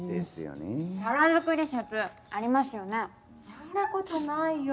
そんなことないよ。